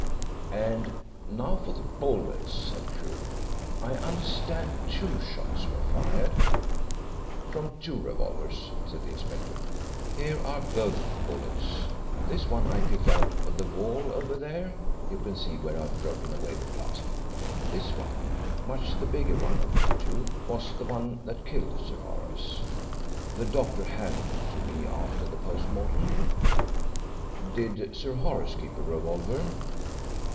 "And now for the bullets," said Crewe, "I understand two shots were fired." "From two revolvers," said the inspector. "Here are both bullets. This one I picked out of the wall over there. You can see where I've broken away the plaster. This one much the bigger one of the two was the one that killed Sir Horace. The doctor handed it to me after the post mortem." "Did Sir Horace keep a revolver?"